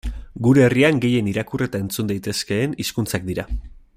Gure herrian gehien irakur eta entzun daitezkeen hizkuntzak dira.